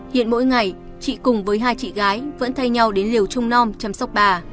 hiện mỗi ngày chị cùng với hai chị gái vẫn thay nhau đến liều trung non chăm sóc bà